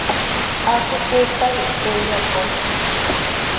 Haaco cmiipla quih pte iyacooo.